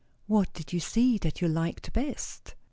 "What did you see that you liked best?"